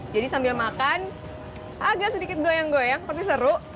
jadi sambil makan agak sedikit goyang goyang tapi seru